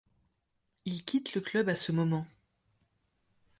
Il quitte le club à ce moment.